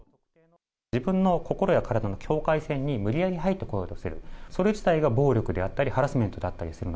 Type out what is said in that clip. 自分の心や体の境界線に無理やり入ってこようとする、それ自体が暴力であったり、ハラスメントだったりする。